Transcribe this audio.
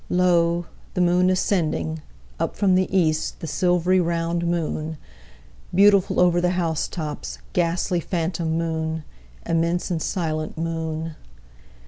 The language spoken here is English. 2Lo! the moon ascending! Up from the east, the silvery round moon; Beautiful over the house tops, ghastly phantom moon; Immense and silent moon.